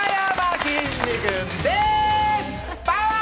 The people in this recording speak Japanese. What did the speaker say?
パワー！